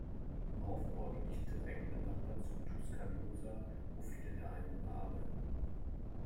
Northport liegt direkt benachbart zu Tuscaloosa, wo viele der Einwohner arbeiten.